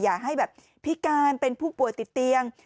อย่าให้แบบพิการเป็นผู้ป่วยติดเตียง